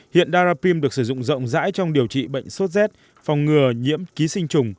hiện daraprim được sử dụng rộng rãi trong điều trị bệnh sốt z phòng ngừa nhiễm ký sinh trùng